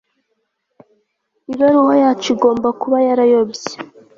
Ibaruwa yacu igomba kuba yarayobye